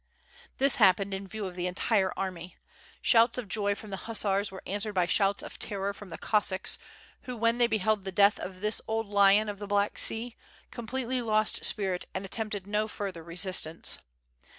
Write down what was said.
This happened in view of the entire army. Shouts of joy from the hussars were answered by shouts of terror from the Cossacks, who when they beheld the death of this old lion of the Black Sea, completely lost spirit and attempted no further resistance.